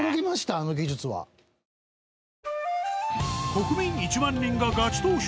国民１万人がガチ投票！